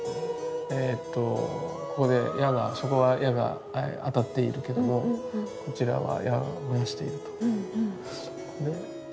えとここで矢がそこは矢が当たっているけどもこちらは矢を燃やしていると。